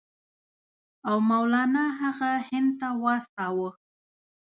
او مولنا هغه هند ته واستاوه.